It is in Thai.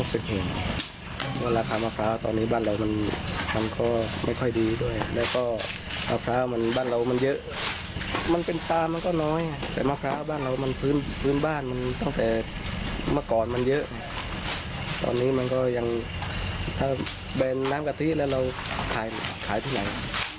ซึ่งก็ยังถ้าเป็นน้ำกะทิแล้วเราขายที่ไหน